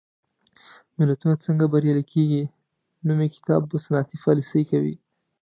ملتونه څنګه بریالي کېږي؟ نومي کتاب په صنعتي پالېسۍ کوي.